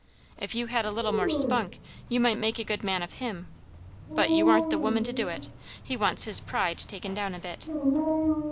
"If you had a little more spunk, you might make a good man of him; but you aren't the woman to do it. He wants his pride taken down a bit."